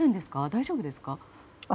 大丈夫ですか？